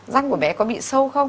răng của bé có bị sâu không